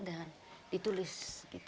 dan ditulis gitu